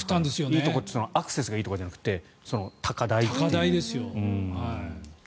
いいところというのはアクセスがいいところじゃなくて高台という。